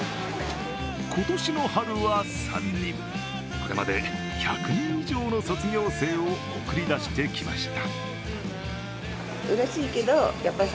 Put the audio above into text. これまで１００人以上の卒業生を送り出してきました。